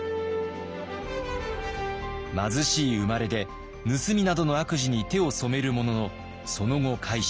貧しい生まれで盗みなどの悪事に手を染めるもののその後改心。